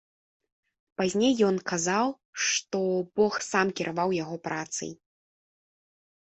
Пазней ён казаў, што бог сам кіраваў яго працай.